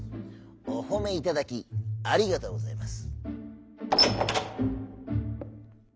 「おほめいただきありがとうございます」。